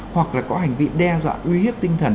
hoặc là có hành vi đe dọa uy hiếp tinh thần